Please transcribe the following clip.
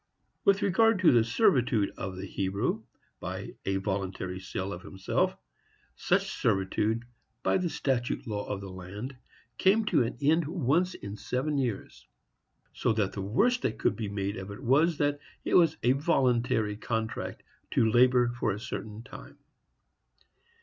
With regard to the servitude of the Hebrew by a voluntary sale of himself, such servitude, by the statute law of the land, came to an end once in seven years; so that the worst that could be made of it was that it was a voluntary contract to labor for a certain time.